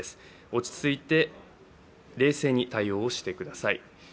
落ち着いて冷静に対応してください。